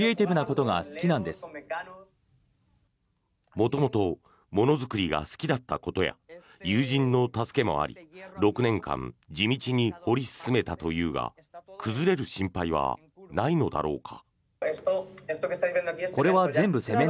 元々ものづくりが好きだったことや友人の助けもあり、６年間地道に掘り進めたというが崩れる心配はないのだろうか。